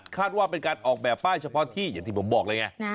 ว่าเป็นการออกแบบป้ายเฉพาะที่อย่างที่ผมบอกเลยไง